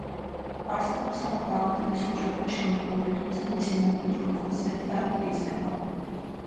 არსებობს ამ დაავადების ოჯახური შემთხვევები, თუმცა მისი მემკვიდრული ხასიათი არ მტკიცდება.